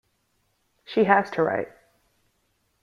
She has to write.